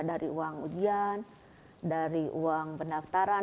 dari uang ujian dari uang pendaftaran